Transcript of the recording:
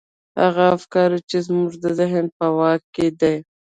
هغه افکار چې زموږ د ذهن په واک کې دي.